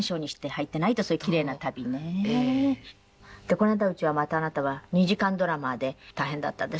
この間またあなたは２時間ドラマで大変だったんですってね？